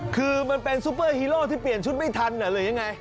คือมันเป็นซุปเปอร์ฮีโร่ที่เปลี่ยนชุดไม่ทันหรือยังไง